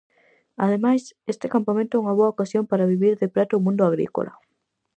Ademais, este campamento é unha boa ocasión para vivir de preto o mundo agrícola.